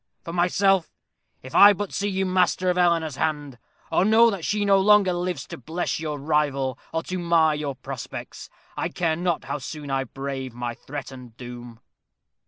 For myself, if I but see you master of Eleanor's hand, or know that she no longer lives to bless your rival, or to mar your prospects, I care not how soon I brave my threatened doom."